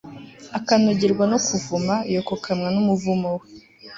akanogerwa no kuvuma, yokokamwa n'umuvumo we